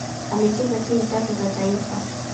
Amecheza timu tatu za taifa